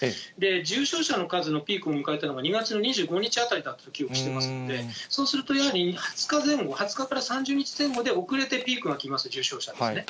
重症者の数のピークを迎えたのが２月の２５日あたりだったと記憶していますので、そうするとやはり、２０日前後、２０日から３０日前後で遅れてピークが来ます、重症者ですね。